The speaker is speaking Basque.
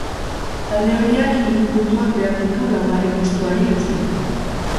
Talde horiak hiru puntuak behar ditu laugarren postuari eusteko.